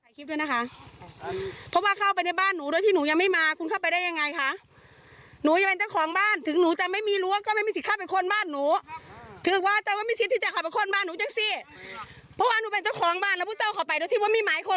นุเฮ็ดห้วนแล้วพูดจอแข่งออกแผ่นฟิวสามก็ถือต้องพวกเราเป็นประชาชนคุณเข้ามาหรือไม่มีหมายคน